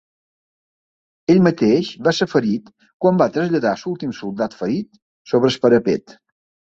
Ell mateix va ser ferit quan va traslladar l'últim soldat ferit sobre el parapet.